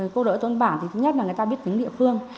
cô đỡ thôn bảng thì thứ nhất là người ta biết tính địa phương